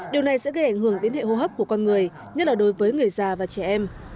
điều này sẽ gây ảnh hưởng đến hệ hô hấp của con người nhất là đối với người già và trẻ em